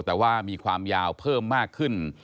แต่ว่ามีความยาวเพิ่มมากขึ้น